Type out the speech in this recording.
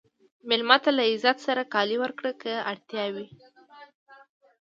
مېلمه ته له عزت سره کالي ورکړه که اړتیا وي.